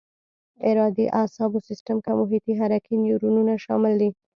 ارادي اعصابو سیستم کې محیطي حرکي نیورونونه شامل دي.